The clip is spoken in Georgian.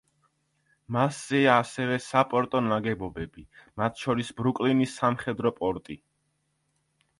მასზეა ასევე საპორტო ნაგებობები, მათ შორის ბრუკლინის სამხედრო პორტი.